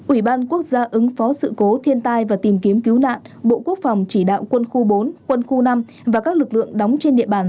ủy ban quốc gia ứng phó sự cố thiên tai và tìm kiếm cứu nạn bộ quốc phòng chỉ đạo quân khu bốn quân khu năm và các lực lượng đóng trên địa bàn